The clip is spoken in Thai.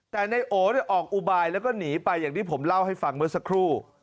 แต่นายโอออกอุบายแล้วก็หนีไปอย่างที่ผมเล่าให้ฟังเมื่อสักครู่